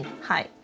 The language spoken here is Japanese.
はい。